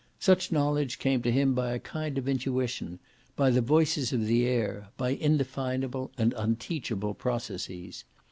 Such knowledge came to him by a kind of intuition, by the voices of the air, by indefinable and unteachable processes.